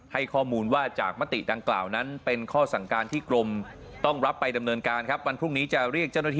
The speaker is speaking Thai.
ถ้าใครไม่ชอบก็ใช้แนวทางเดิมได้นะฮะไปฟังเสียงทางนายกรัฐมนตรีกันครับ